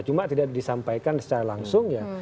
cuma tidak disampaikan secara langsung ya